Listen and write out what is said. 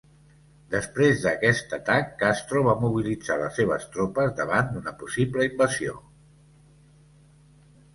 Després d'aquest atac, Castro va mobilitzar les seves tropes davant d'una possible invasió.